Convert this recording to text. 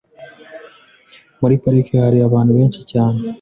Muri parike hari abantu benshi cyane. .